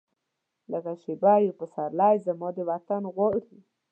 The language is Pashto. لږه شیبه یو پسرلی، زما د وطن غواړي